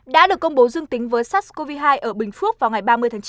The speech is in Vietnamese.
đã được công bố dương tính với sars cov hai ở bình phước vào ngày ba mươi tháng chín